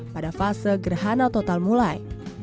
pada fase gerhana mulai